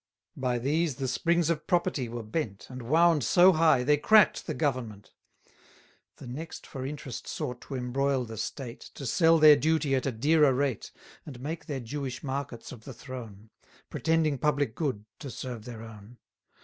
By these the springs of property were bent, And wound so high, they crack'd the government. 500 The next for interest sought to embroil the state, To sell their duty at a dearer rate, And make their Jewish markets of the throne; Pretending public good, to serve their own.